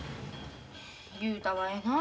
雄太はええなあ。